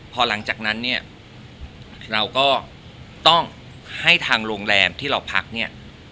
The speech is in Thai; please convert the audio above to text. พอหลังจากนั้นเนี่ยเราก็ต้องให้ทางโรงแรมที่เราพักเนี่ย